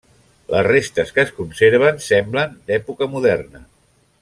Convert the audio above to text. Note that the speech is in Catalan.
Les restes que es conserven semblen d'època moderna.